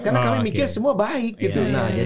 karena kami mikir semua baik gitu